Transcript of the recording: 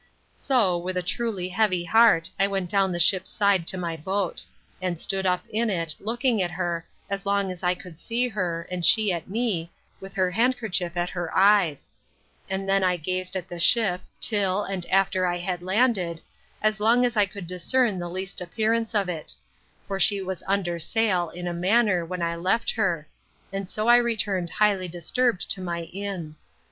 So, with a truly heavy heart, I went down the ship's side to my boat; and stood up in it, looking at her, as long as I could see her, and she at me, with her handkerchief at her eyes; and then I gazed at the ship, till, and after I had landed, as long as I could discern the least appearance of it; for she was under sail, in a manner, when I left her; and so I returned highly disturbed to my inn.